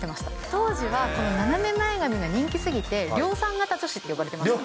当時はこの斜め前実が人気すぎて、量産型女子って呼ばれてました。